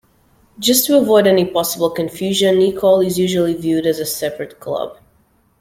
Just to avoid any possible confusion, Nikol is usually viewed as a separate club.